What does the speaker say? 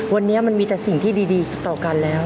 วันนี้มันมีแต่สิ่งที่ดีต่อกันแล้ว